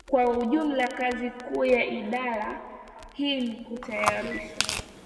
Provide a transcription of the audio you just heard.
kwa ujumla Kazi kuu ya Idara hii ni kutayarisha